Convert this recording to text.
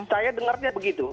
saya dengarnya begitu